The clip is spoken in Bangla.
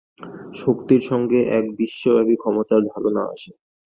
শক্তির সঙ্গে এক বিশ্বব্যাপী ক্ষমতার ধারণা আসে।